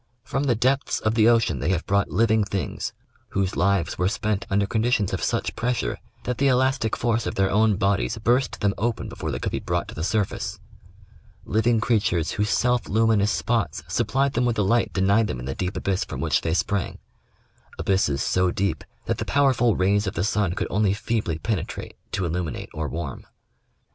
From the depths of the ocean they have brought living things, whose lives Avere spent under conditions of such pressure that the elastic force of their own bodies burst them open before they could be brought to the sur face ; living creatures whose self luminous spots supplied them with the light denied them in the deep abyss from which they sprang— abysses so deep that the powerful rays of the sun could only feebly penetrate to illuminate or warm.